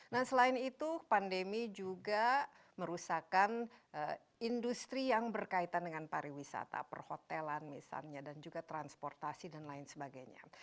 nah selain itu pandemi juga merusakan industri yang berkaitan dengan pariwisata perhotelan misalnya dan juga transportasi dan lain sebagainya